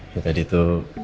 ya tadi tuh